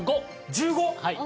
１５？